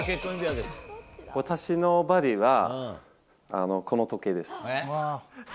私のバディは、この時計です。